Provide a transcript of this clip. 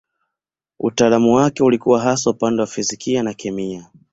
Utaalamu wake ulikuwa hasa upande wa fizikia na kemia.